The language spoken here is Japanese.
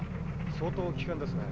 相当危険ですね。